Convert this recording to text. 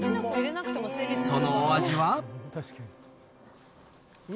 そのお味は。